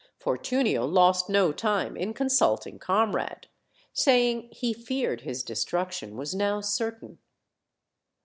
Fortunio lost no time in consulting Comrade, saying he feared his destruction was now certain.